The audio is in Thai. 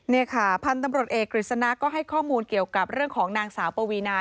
นี่ค่ะพันธุ์ตำรวจเอกกฤษณะก็ให้ข้อมูลเกี่ยวกับเรื่องของนางสาวปวีนา